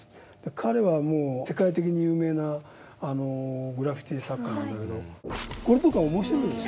彼はもう世界的に有名なグラフィティ作家なんだけどこれとか面白いでしょ。